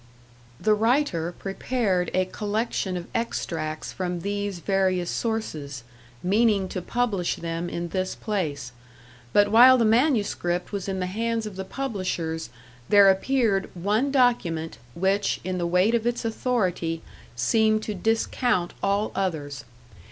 The writer prepared a collection of extracts from these various sources, meaning to publish them in this place; but while the manuscript was in the hands of the publishers, there appeared one document, which, in the weight of its authority, seemed to discount all others.